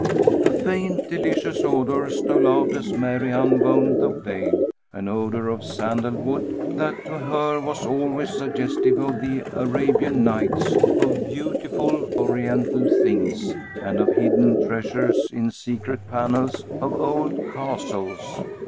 A faint, delicious odor stole out as Mary unwound the veil, an odor of sandalwood, that to her was always suggestive of the "Arabian Nights," of beautiful Oriental things, and of hidden treasures in secret panels of old castles.